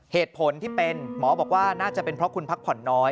เหตุผลที่เป็นหมอบอกว่าน่าจะเป็นเพราะคุณพักผ่อนน้อย